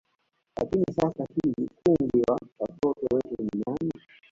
Lakini sasa hivi kungwi wa watoto wetu ni nani